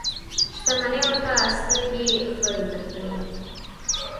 شتمنیو ته سترګې خړې نه کړي.